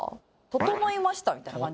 「ととのいました」みたいな感じ。